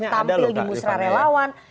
tampil di musra relawan